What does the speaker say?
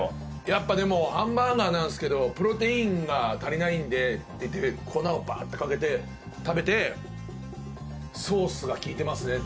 やっぱでもハンバーガーなんですけど「プロテインが足りないんで」って言って粉をバーッてかけて食べて「ソースが利いてますね」。